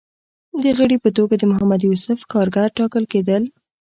د غړي په توګه د محمد یوسف کارګر ټاکل کېدل